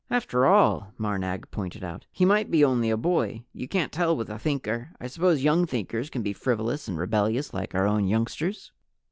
"After all," Marnag pointed out, "he might be only a boy. You can't tell with a Thinker. I suppose young Thinkers can be frivolous and rebellious like our own youngsters."